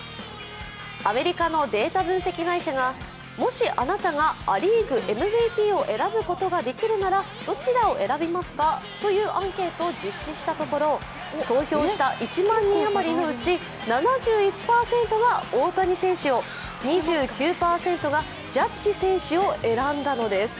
アメリカのデータ分析会社がもしあなたがア・リーグＭＶＰを選ぶことができるならどちらを選びますかというアンケートを実施したところ投票した１万人余りのうち７１％が大谷選手を２９％がジャッジ選手を選んだのです。